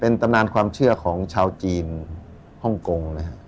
ตำนานความเชื่อของชาวจีนฮ่องกงนะครับ